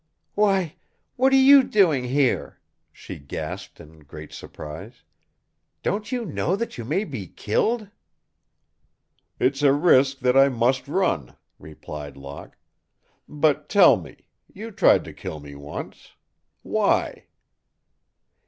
"Why, what are you doing here?" she gasped, in great surprise. "Don't you know that you may be killed?" "It's a risk that I must run," replied Locke. "But tell me you tried to kill me once why?"